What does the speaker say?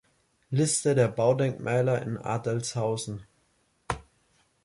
Liste der Baudenkmäler in Adelzhausen